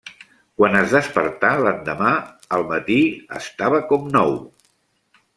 Quan es despertà, l'endemà al matí estava com nou.